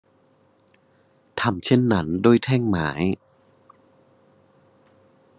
ทำเช่นนั้นด้วยแท่งไม้